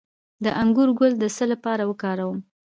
د انګور ګل د څه لپاره وکاروم؟